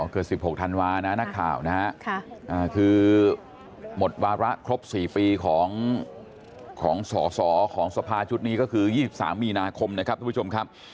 อคสิบหกธันวานักข่าวหมดวาระครบสี่ปีของสหสอสภาชุดนี้ก็คือยี่สิบสามมีนาคม